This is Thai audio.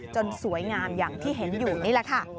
สวยงามอย่างที่เห็นอยู่นี่แหละค่ะ